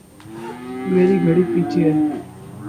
میری گھڑی پیچھے ہے